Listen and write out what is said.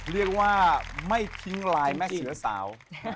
เรียกว่าไม่ทิ้งลายแม่เสือสาว